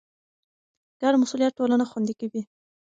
ګډ مسئولیت ټولنه خوندي کوي.